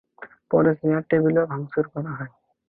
পরে চেয়ার টেবিলও ভাঙচুর করা হয়।